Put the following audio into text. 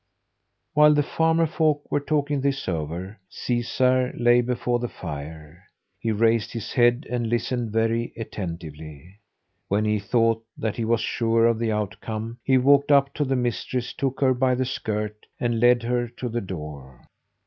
While the farmer folk were talking this over, Caesar lay before the fire. He raised his head and listened very attentively. When he thought that he was sure of the outcome, he walked up to the mistress, took her by the skirt, and led her to the door.